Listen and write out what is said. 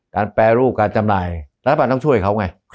แปรรูปการจำหน่ายรัฐบาลต้องช่วยเขาไง